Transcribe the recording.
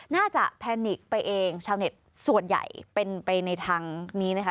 น่าจะแพนิกไปเองชาวเน็ตส่วนใหญ่เป็นไปในทางนี้นะคะ